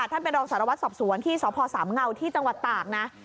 ท่านเป็นรองสารวัตรสอบสวนที่สพสามเงาที่จังหวัดตากนะ